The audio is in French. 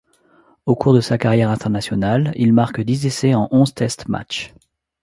Au cours de sa carrière internationale, il marque dix essais en onze tests matchs.